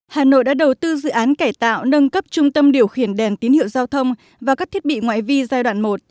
hà nội đã đầu tư dự án cải tạo nâng cấp trung tâm điều khiển đèn tín hiệu giao thông và các thiết bị ngoại vi giai đoạn một